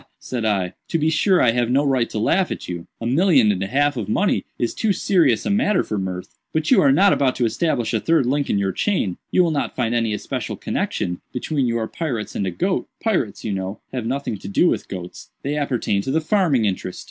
said I, "to be sure I have no right to laugh at you—a million and a half of money is too serious a matter for mirth—but you are not about to establish a third link in your chain—you will not find any especial connexion between your pirates and a goat—pirates, you know, have nothing to do with goats; they appertain to the farming interest."